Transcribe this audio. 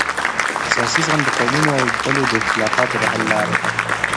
سیاسي زغم د قومونو او ډلو د اختلافاتو د حل لاره ده